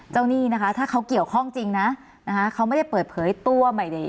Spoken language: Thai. หนี้นะคะถ้าเขาเกี่ยวข้องจริงนะนะคะเขาไม่ได้เปิดเผยตัวไม่ได้